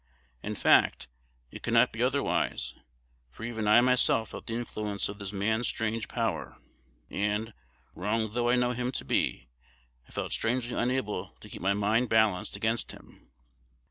In fact, it could not be otherwise: for even I myself felt the influence of this man's strange power; and, wrong though I knew him to be, I felt strangely unable to keep my mind balanced against him.